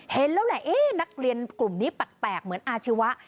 เห็นแล้วแหละนักเรียนกลุ่มนี้แปลกเหมือนอาชีวะ